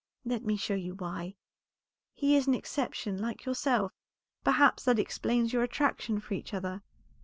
Let me show you why. He is an exception like yourself; perhaps that explains your attraction for each other.